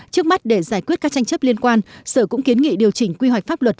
trước mắt để giải quyết các tranh chấp liên quan sở cũng kiến nghị điều chỉnh quy hoạch pháp luật